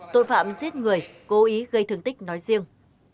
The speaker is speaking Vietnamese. tội phạm giết người cố ý gây thương tích nói riêng